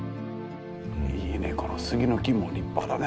いいねこのスギの木も立派だね。